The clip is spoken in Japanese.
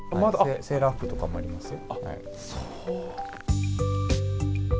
セーラー服とかもありますよ。